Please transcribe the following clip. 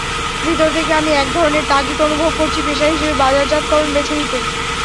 ভেতর থেকে আমি একধরনের তাগিদ অনুভব করছি পেশা হিসেবে বাজারজাতকরণ বেছে নিতে।